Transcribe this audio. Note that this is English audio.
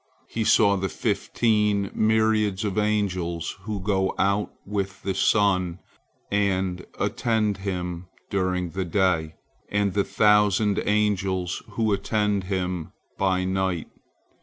He saw the fifteen myriads of angels who go out with the sun, and attend him during the day, and the thousand angels who attend him by night.